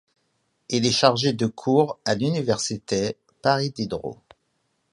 Il est chargé de cours à l’Université Paris Diderot.